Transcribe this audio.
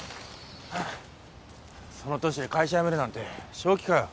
その年で会社やめるなんて正気かよ